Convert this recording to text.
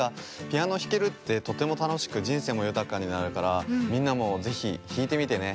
ピアノひけるってとてもたのしくじんせいもゆたかになるからみんなもぜひひいてみてね。